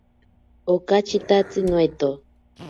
Okatyitatsi noito.